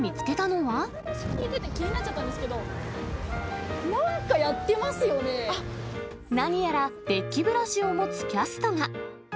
気になっちゃったんですけど、何やら、デッキブラシを持つキャストが。